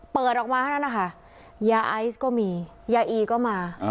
เปิดออกมาเท่านั้นนะคะยาไอซ์ก็มียาอีก็มา